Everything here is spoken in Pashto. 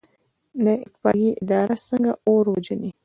د اطفائیې اداره څنګه اور وژني؟